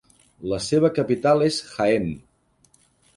La seva capital és Jaén.